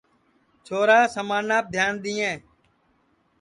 چھورا سمانپ دھیان دؔیئیں